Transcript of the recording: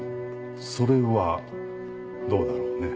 それはどうだろうね？